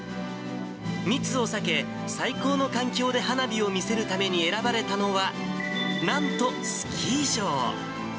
密を避け、最高の環境で花火を見せるために選ばれたのはなんとスキー場。